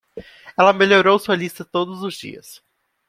Ela melhorou sua lista todos os dias.